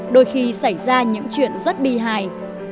đôi khi xảy ra những chuyện rất bi hài